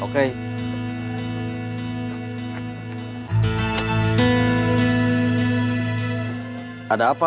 kamu dari mana